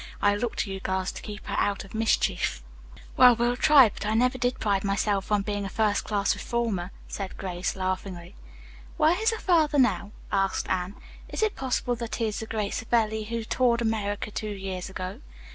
I look to you girls to keep her out of mischief." "Well, we'll try, but I never did pride myself on being a first class reformer," said Grace, laughing. "Where is her father now?" asked Anne. "Is it possible that he is the great Savelli who toured America two years ago?"